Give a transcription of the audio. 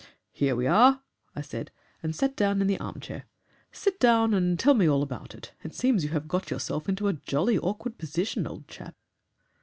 'Here we are,' I said, and sat down in the arm chair; 'sit down and tell me all about it. It seems to me you have got yourself into a jolly awkward position, old chap.'